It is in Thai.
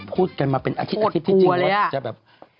พูดกันมาเป็นอาทิตย์ที่จริง